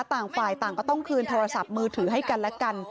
ต่างฝ่ายต่างก็ต้องคืนโทรศัพท์มือถือให้กันและกัน